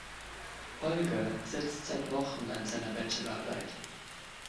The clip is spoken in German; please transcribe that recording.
Holger sitzt seit Wochen an seiner Bachelorarbeit.